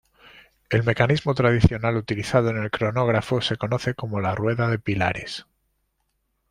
El mecanismo tradicional utilizado en el cronógrafo se conoce como la rueda de pilares.